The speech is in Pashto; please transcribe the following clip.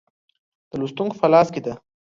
د لوستونکو په لاس کې ده.